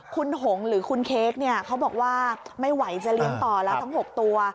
คุณหงหรือคุณเค้กเนี่ยเขาบอกว่าไม่ไหวจะเลี้ยงต่อแล้วทั้ง๖ตัว